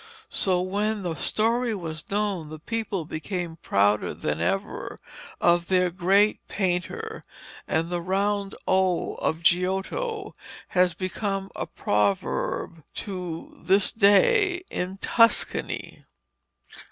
So when the story was known the people became prouder than ever of their great painter, and the round O of Giotto has become a proverb to this day in Tuscany.